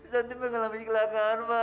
santi mengalami kecelakaan